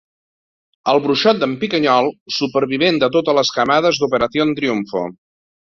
El bruixot d'en Picanyol, supervivent de totes les camades d'Operación Triunfo.